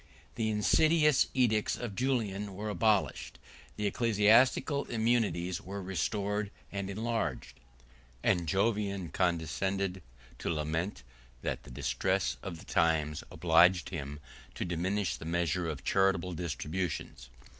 The insidious edicts of Julian were abolished; the ecclesiastical immunities were restored and enlarged; and Jovian condescended to lament, that the distress of the times obliged him to diminish the measure of charitable distributions.